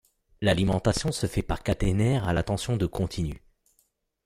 L'alimentation se fait par caténaires à la tension de continu.